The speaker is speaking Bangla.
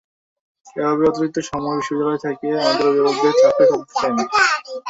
এভাবে অতিরিক্ত সময় বিশ্ববিদ্যালয়ে থেকে আমাদের অভিভাবকদের চাপে ফেলতে চাই না।